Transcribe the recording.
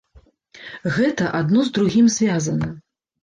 Гэта адно з другім звязана.